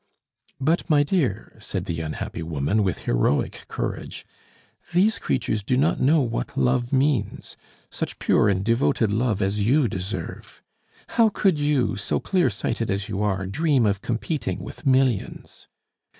"But, my dear," said the unhappy woman, with heroic courage, "these creatures do not know what love means such pure and devoted love as you deserve. How could you, so clear sighted as you are, dream of competing with millions?"